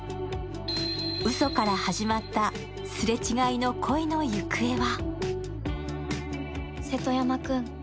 うそから始まったすれ違いの恋の行方は？